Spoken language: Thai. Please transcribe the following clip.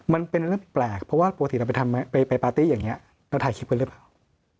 มันเป็นเรื่องแปลกเพราะว่าปกติเราไปปาร์ตี้อย่างนี้เราถ่ายคลิปไว้หรือเปล่า